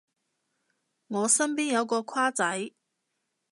我身邊有個跨仔